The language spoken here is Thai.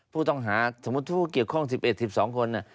ผู้ต้องหาสมมุติผู้เกี่ยวข้อง๑๑๑๒คน